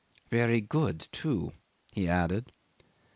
... Very good, too," he added.